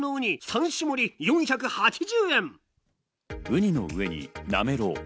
ウニの上になめろう。